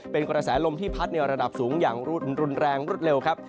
เป็นกระแสลมที่พัดในระดับสูงอย่างรุนแรงรวดเร็วครับ